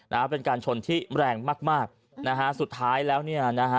นะฮะเป็นการชนที่แรงมากมากนะฮะสุดท้ายแล้วเนี่ยนะฮะ